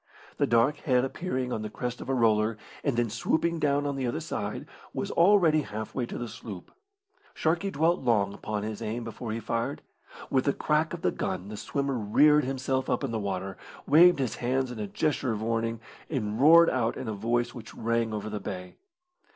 The dark head appearing on the crest of a roller, and then swooping down on the other side, was already half way to the sloop. Sharkey dwelt long upon his aim before he fired. With the crack of the gun the swimmer reared himself up in the water, waved his hands in a gesture of warning, and roared out in a voice which rang over the bay.